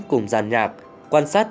cùng gian nhạc quan sát